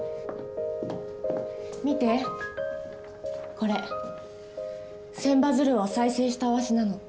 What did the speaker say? これ千羽鶴を再生した和紙なの。